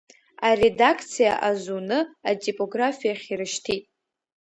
Аредакциа азуны, атипографиахь ирышьҭит.